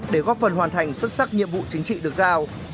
để góp phần hoàn thành xuất sắc nhiệm vụ chính trị được giao